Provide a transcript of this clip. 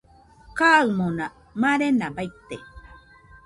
Kaɨmona marena baite